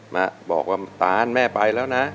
มาบอกว่าตานแม่ไปแล้วนะ